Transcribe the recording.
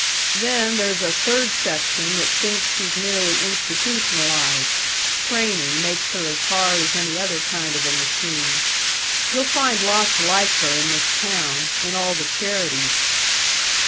Then there's a third section that thinks she's merely institutionalized training makes her as hard as any other kind of a machine. You'll find lots like her in this town in all the charities."